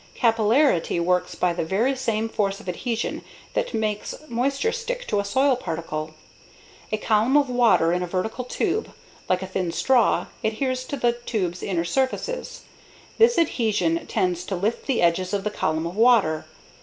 Capillarity works by the very same force of adhesion that makes moisture stick to a soil particle. A column of water in a vertical tube (like a thin straw) adheres to the tube's inner surfaces. This adhesion tends to lift the edges of the column of water.